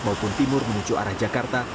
maupun timur menuju arah jakarta